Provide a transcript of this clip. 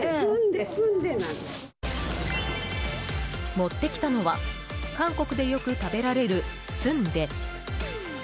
持ってきたのは韓国でよく食べられる、スンデ。